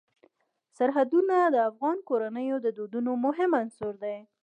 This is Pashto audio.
سرحدونه د افغان کورنیو د دودونو مهم عنصر دی.